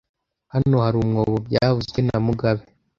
Hano hari umwobo byavuzwe na mugabe